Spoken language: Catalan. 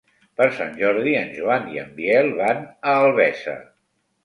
Per Sant Jordi en Joan i en Biel van a Albesa.